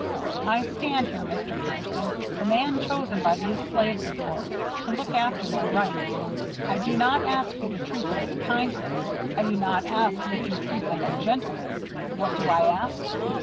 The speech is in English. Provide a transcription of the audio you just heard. "I stand here, Mr. Peterson, the man chosen by these slaves of yours, to look after their rights. I do not ask you to treat them with kindness, I do not ask that you treat them as gentlemen. What do I ask?